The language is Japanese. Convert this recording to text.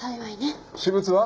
私物は？